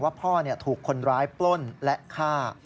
พ่อถูกคนร้ายปล้นและฆ่า